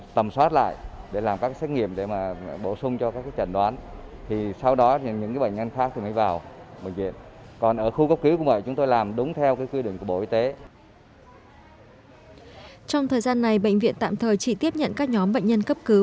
trong thời gian này bệnh viện tạm thời chỉ tiếp nhận các nhóm bệnh nhân cấp cứu